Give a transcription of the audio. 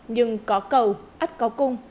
nhưng có cầu ắt có cung